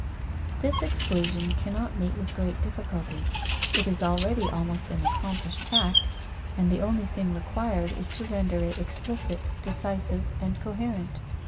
_ This exclusion cannot meet with great difficulties. It is already almost an accomplished fact, and the only thing required is to render it explicit, decisive, and coherent.